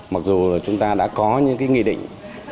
mặc dù chúng ta đã có những cái nghị định